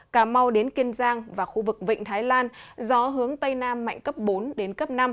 cà mau đến kiên giang và khu vực vịnh thái lan gió hướng tây nam mạnh cấp bốn năm